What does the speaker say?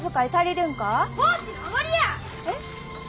えっ？